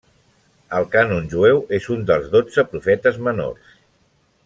Al cànon jueu és un dels dotze profetes menors.